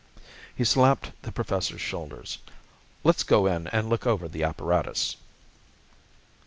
He slapped the Professor's shoulders. "Let's go in and look over the apparatus."